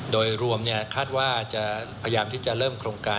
โดยรวมคาดว่าจะพยายามที่จะเริ่มโครงการ